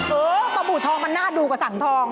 เออปลาบูทองมันน่าดูกว่าสังทอง